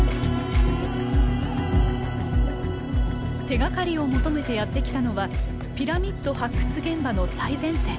手がかりを求めてやって来たのはピラミッド発掘現場の最前線。